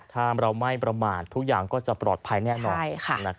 ถ้าเราไม่ประมาททุกอย่างก็จะปลอดภัยแน่นอน